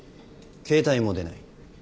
携帯も出ない。